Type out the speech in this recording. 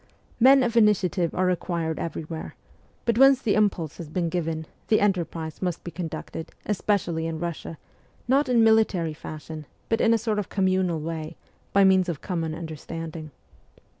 Men of initiative are required everywhere ; but once the impulse has been given, the enterprise must be conducted, especially in Bussia, not in military fashion, but in a sort of communal way, by means of common understanding.